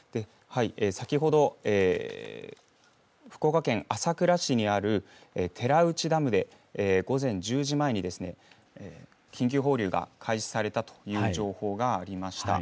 先ほど、福岡県朝倉市にある寺内ダムで、午前１０時前に緊急放流が開始されたという情報がありました。